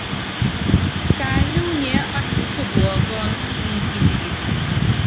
Tɛ aná inyɛ́ asupúsɔp wɔɔkɔ́n, mɔɔndɔ kitikit.